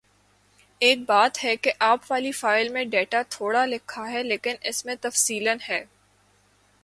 ایک بات ہے کہ آپ والی فائل میں ڈیٹا تھوڑا لکھا ہے لیکن اس میں تفصیلاً ہے